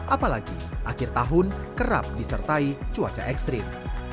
apalagi akhir tahun kerap disertai cuaca ekstrim